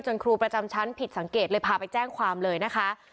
ครูประจำชั้นผิดสังเกตเลยพาไปแจ้งความเลยนะคะ